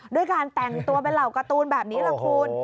ด้วยการแต่งตัวเป็นเหล่าการ์ตูนแบบนี้แหละคุณ